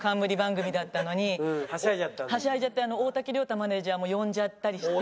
はしゃいじゃって大竹涼太マネジャーも呼んじゃったりして。